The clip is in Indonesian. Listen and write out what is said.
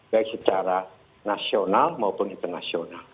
baik secara nasional maupun internasional